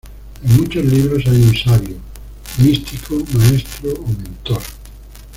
En muchos libros hay un sabio, místico maestro o mentor.